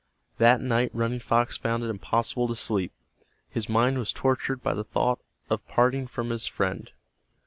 That night Running Fox found it impossible to sleep. His mind was tortured by the thought of parting from his friend.